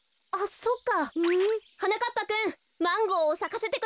そっか。